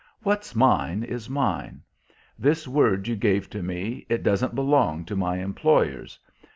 "What's mine is mine. This word you gave to me, it doesn't belong to my employers.